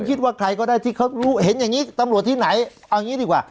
คิดว่าใครก็ได้ที่เขารู้เห็นอย่างนี้ตำรวจที่ไหนเอางี้ดีกว่า